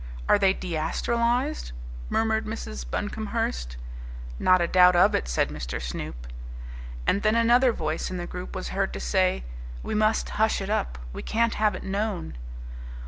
"Are they deastralized?" murmured Mrs. Buncomhearst. "Not a doubt of it," said Mr. Snoop. And then another voice in the group was heard to say, "We must hush it up. We can't have it known!"